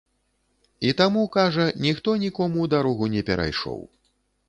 І таму, кажа, ніхто нікому дарогу не перайшоў.